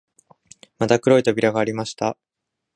また黒い扉がありました